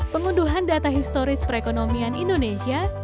pengunduhan data historis perekonomian indonesia